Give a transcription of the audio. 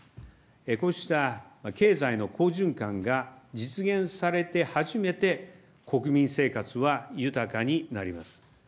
こうした経済の好循環が実現されて初めて国民生活は豊かになります。